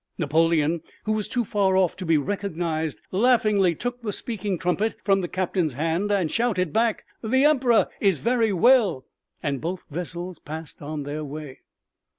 Napoleon, who was too far off to be recognized, laughingly took the speaking trumpet from the captain's hand and shouted back: "The Emperor is very well." And both vessels passed on their way.